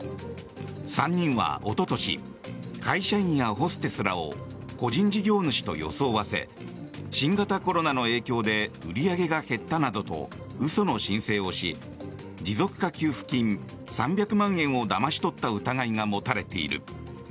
３人はおととし会社員やホステスらを個人事業主と装わせ新型コロナの影響で売り上げが減ったなどと嘘の申請をし持続化給付金３００万円をだまし取った疑いが持たれている。